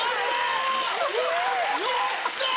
やったー！